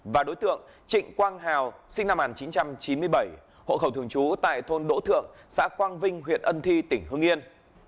và đối tượng trịnh quang hào sinh năm một nghìn chín trăm chín mươi bảy hộ khẩu thường trú tại thôn đỗ thượng xã quang vinh huyện ân thi tỉnh hương yên